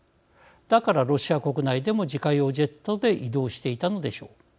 だから、ロシア国内でも自家用ジェットで移動していたのでしょう。